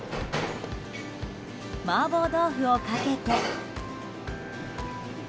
麻婆豆腐をかけて。